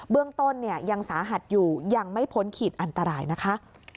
เรื่องต้นเนี่ยยังสาหัสอยู่ยังไม่พ้นขีดอันตรายนะคะ